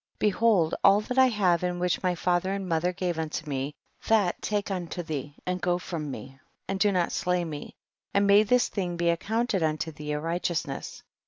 Behold all that I have and which my father and mother gave unto me, that take unto thee and go from me and do not slay me, and may this thing be accounted unto thee a righteousness.